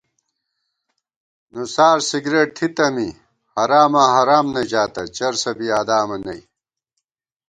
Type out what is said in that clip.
نُسارسگرېٹ تھِتہ می حراماں حرام نہ ژاتہ، چرسَہ بی یادامہ نئ